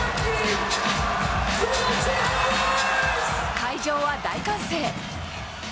会場は大歓声。